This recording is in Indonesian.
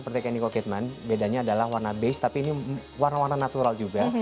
seperti yang nicole kidman bedanya adalah warna beige tapi ini warna warna natural juga